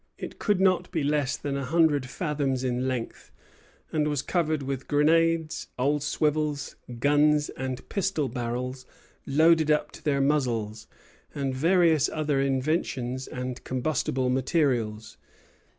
It could not be less than a hundred fathoms in length, and was covered with grenades, old swivels, gun and pistol barrels loaded up to their muzzles, and various other inventions and combustible matters.